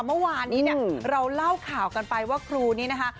เมื่อวานนี้เนี่ยเราเล่าข่าวกันไปว่าครูนี้นะคะ